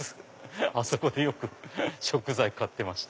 あそこで食材買ってました。